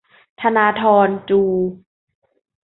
ธนาธร จู